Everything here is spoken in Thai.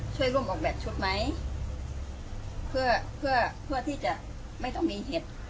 ช่วยร่วมออกแบบชุดไหมเพื่อเพื่อเพื่อที่จะไม่ต้องมีเหตุ